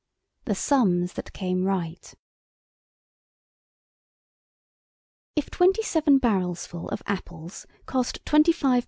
THE SUMS THAT CAME RIGHT "IF twenty seven barrelsful of apples cost £25 13_s.